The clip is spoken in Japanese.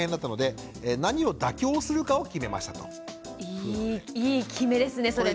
いいいい決めですねそれね。